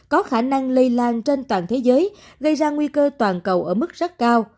có khả năng lây lan trên toàn thế giới gây ra nguy cơ toàn cầu ở mức rất cao